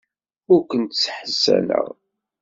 Ur kent-sseḥzaneɣ.